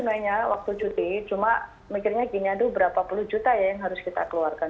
sebenarnya waktu cuti cuma mikirnya gini aduh berapa puluh juta ya yang harus kita keluarkan